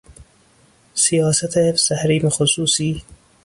سیاست حفظ حریم خصوصی